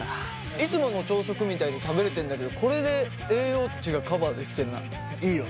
いつもの朝食みたいに食べれてんだけどこれで栄養値がカバーできてんならいいよね。